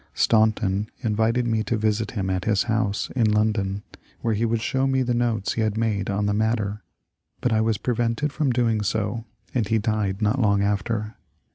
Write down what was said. Staunton invited me to visit him at his house in Lon don, where he would show me the notes he had made on the matter ; but I was prevented from doing this, and he died not long after.